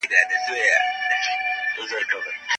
سياسي مخالفينو ته د خبرو حق ورکړئ.